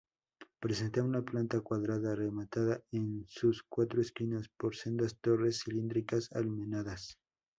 Presenta una planta cuadrada, rematada, en sus cuatro esquinas, por sendas torres cilíndricas almenadas.